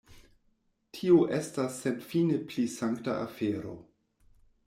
Tio estas senfine pli sankta afero.